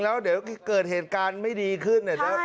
แล้วเดี๋ยวเกิดเหตุการณ์ไม่ดีขึ้น